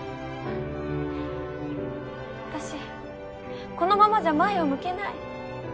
私このままじゃ前を向けない。